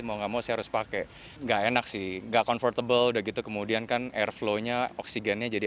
mau enggak mau harus pakai enak sih gak komfortable udah gitu kemudian kan airflownya oksigennya jadi